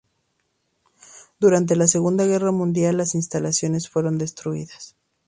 Durante la segunda guerra mundial las instalaciones fueron destruidas.